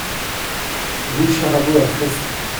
Rue Charabot à Crest